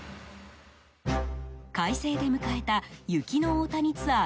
快晴で迎えた、雪の大谷ツアー